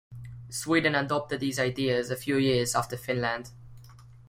Sweden adopted these ideas a few years after Finland.